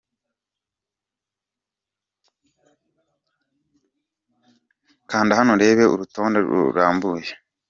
Kanda hano urebe uru rutonde rurambuye.